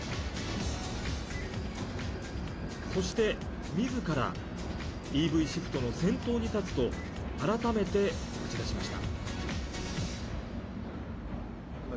そして、みずからＥＶシフトの先頭に立つと改めて打ち出しました。